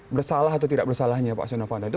bersalah atau tidak bersalahnya pak setia novanto itu